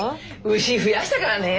牛増やしたからね。